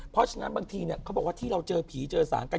เพราะฉะนั้นบางทีเขาบอกว่าที่เราเจอผีเจอสางกัน